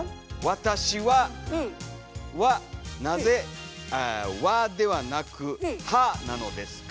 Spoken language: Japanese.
「わたし『は』はなぜ『わ』ではなく『は』なのですか？」。